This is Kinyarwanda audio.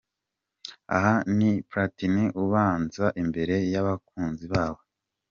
Aha ni Platini ubanza imbere y'abakunzi babo.